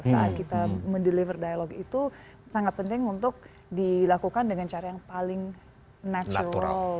saat kita mendeliver dialog itu sangat penting untuk dilakukan dengan cara yang paling natural